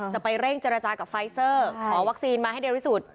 จะไปเร่งเจรจากับไฟซอร์ขอวัคซีนมาให้เรียนวิสูจน์